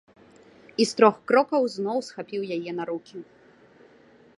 І з трох крокаў зноў схапіў яе на рукі.